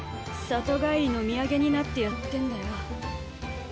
里帰りの土産になってやってんだよ。